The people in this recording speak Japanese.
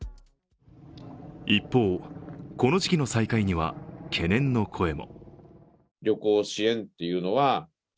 一方、この時期の再開には、懸念の声も。